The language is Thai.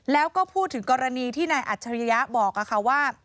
แล้วก็พูดถึงกรณีที่นายอัจฉริยะบอกค่ะว่า